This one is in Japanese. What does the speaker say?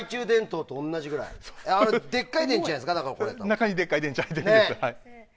中にでっかい電池が入ってるんです。